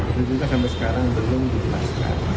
itu kita sampai sekarang belum jelas